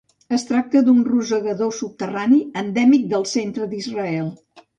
Es tracta d'un rosegador subterrani endèmic del centre d'Israel.